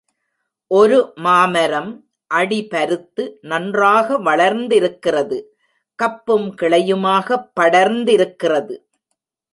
ஒரு மாமரம் அடி பருத்து நன்றாக வளர்ந்திருக்கிறது கப்பும் கிளையுமாகப் படர்ந்திருக்கிறது.